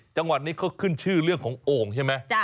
จังหวัดนี้เขาขึ้นชื่อเรื่องของโอ่งใช่ไหม